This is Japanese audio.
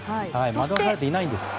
惑わされていないんです。